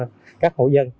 cho các hộ dân